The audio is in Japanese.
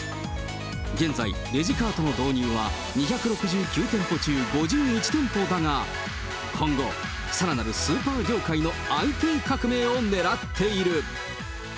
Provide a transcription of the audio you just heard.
現在、レジカートの導入は、２６９店舗中５１店舗だが、今後、さらなるスーパー業界のＩＴ革命を狙っている。